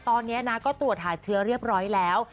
ตอนนี้นะก็ตรวจหาเชื้อเรียบร้อยแล้ว